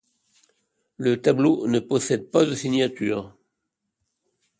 Le tableau ne possède pas de signature.